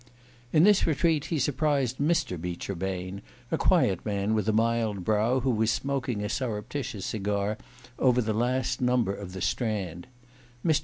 In this retreat he surprised Mr. Beecher Bain, a quiet man with a mild brow, who was smoking a surreptitious cigar over the last number of the Strand. Mr.